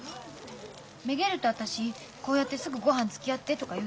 めげると私こうやってすぐごはんつきあってとか言うでしょ？